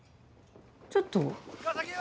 ちょっと。